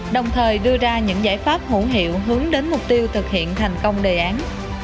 đồng thời đưa ra những giải pháp hữu hiệu hướng đến mục tiêu thực hiện thành công đề án